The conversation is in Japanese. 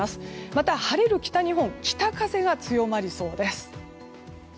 また、晴れる北日本北風が強まりそうです。